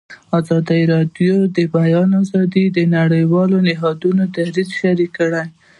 ازادي راډیو د د بیان آزادي د نړیوالو نهادونو دریځ شریک کړی.